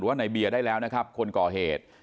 ว่าในเบียร์ได้แล้วนะครับคนก่อเหตุ